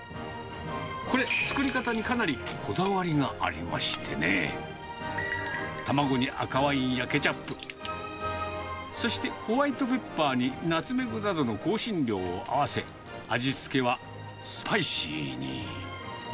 これ、作り方にかなりこだわりがありましてね、卵に赤ワインやケチャップ、そしてホワイトペッパーにナツメグなどの香辛料を合わせ、味付けはスパイシーに。